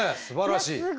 すばらしい。